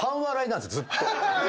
ずっと。